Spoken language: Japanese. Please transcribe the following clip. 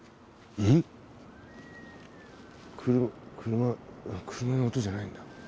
車の音じゃないんだ。